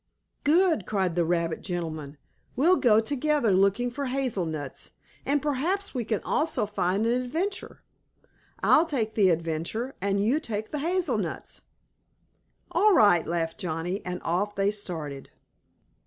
"Good!" cried the rabbit gentleman. "We'll go together looking for hazel nuts, and perhaps we may also find an adventure. I'll take the adventure and you can take the hazel nuts." "All right!" laughed Johnnie, and off they started.